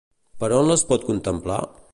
Per on les pot contemplar?